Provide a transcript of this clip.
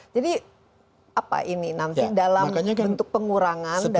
jadi apa ini nanti dalam bentuk pengurangan dari sampah